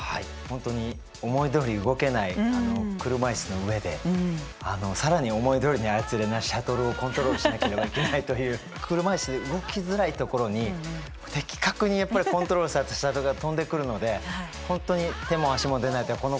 本当に思いどおり動けない車いすの上で更に思いどおりに操れないシャトルをコントロールしなければいけないという車いすで動きづらいところに的確にやっぱりコントロールされたシャトルが飛んでくるので本当に手も足も出ないってこのことだなっていうふうに思いましたね。